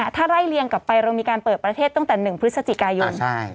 ถ้าไล่เลียงกลับไปเรามีการเปิดประเทศตั้งแต่๑พฤศจิกายน